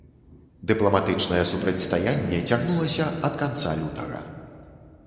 Дыпламатычнае супрацьстаянне цягнулася ад канца лютага.